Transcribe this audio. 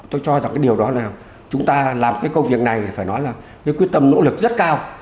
tôi cho rằng cái điều đó là chúng ta làm cái công việc này phải nói là cái quyết tâm nỗ lực rất cao